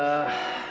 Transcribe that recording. kurang punya gak raka